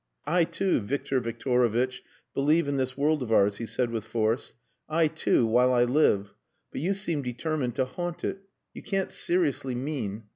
"I too, Victor Victorovitch, believe in this world of ours," he said with force. "I too, while I live.... But you seem determined to haunt it. You can't seriously...mean..."